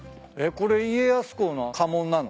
これ家康公の家紋なの？